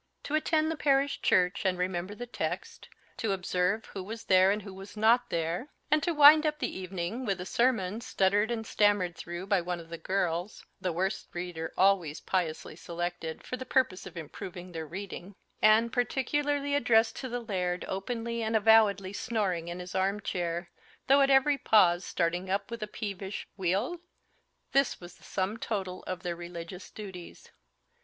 To attend the parish church and remember the text; to observe who was there and who was not there; and to wind up the evening with a sermon stuttered and stammered through by one of the girls (the worst reader always piously selected, for the purpose of improving their reading), and particularly addressed to the Laird, openly and avowedly snoring in his arm chair, though at every pause starting up with a peevish "Weel?" this was the sum total of their religious duties.